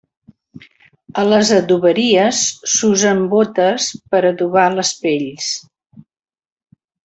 A les adoberies s'usen bótes per adobar les pells.